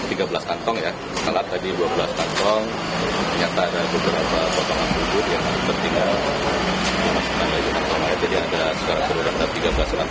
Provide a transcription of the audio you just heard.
insiden ini dimelibatkan tiga kendaraan yaitu mobil daihatsu grand max daihatsu terios dan sebuah bus